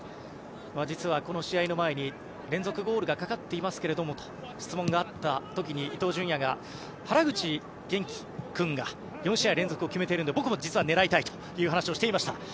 実はこの試合の前に連続ゴールがかかっていますけどもと質問があった時に、伊東純也が原口元気君が４試合連続、決めているので僕も実は狙いたいという話をしていました。